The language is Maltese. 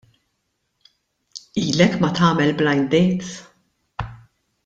Ilek ma tagħmel blind date?